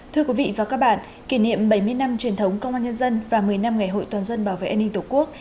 thưa quý vị và các bạn kỷ niệm bảy mươi năm truyền thống công an nhân dân và một mươi năm ngày hội toàn dân bảo vệ an ninh tổ quốc